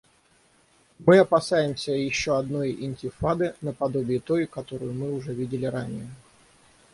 Мы опасаемся еще одной «интифады», наподобие той, которую мы уже видели ранее.